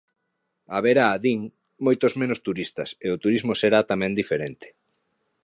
Haberá, din, moitos menos turistas, e o turismo será tamén diferente.